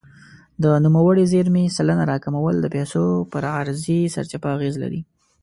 د نوموړې زیرمې سلنه راکمول د پیسو پر عرضې سرچپه اغېز لري.